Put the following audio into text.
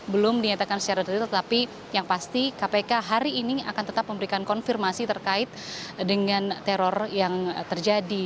belum dinyatakan secara detail tetapi yang pasti kpk hari ini akan tetap memberikan konfirmasi terkait dengan teror yang terjadi